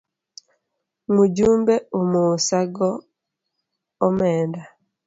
Mujumbe omosa go omenda.